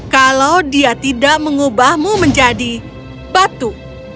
kalau dia tidak mengubahmu menjadi batu